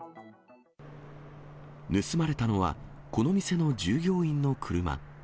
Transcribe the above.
盗まれたのは、この店の従業員の車。